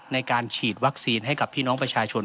ในการฉีดวัคซีนให้กับพี่น้องประชาชน